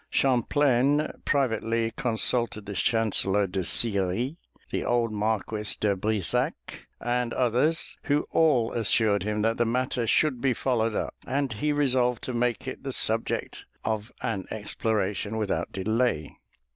Champlain privately consulted the chancellor de Sillery, the old Marquis de Brissac, and others, who all assured him that the matter should be followed up; and he resolved to make it the subject of an exploration without delay.